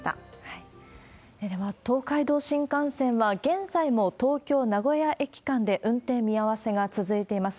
では、東海道新幹線は、現在も東京・名古屋駅間で運転見合わせが続いています。